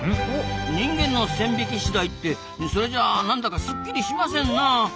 人間の線引き次第ってそれじゃあ何だかすっきりしませんなあ。